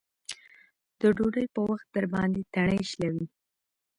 د ډوډۍ په وخت درباندې تڼۍ شلوي.